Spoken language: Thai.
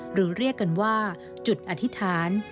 หรือเรียกกันว่าจุดอธิษฐาน